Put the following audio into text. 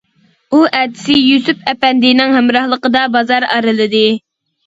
ئۇ ئەتىسى يۈسۈپ ئەپەندىنىڭ ھەمراھلىقىدا بازار ئارىلىدى.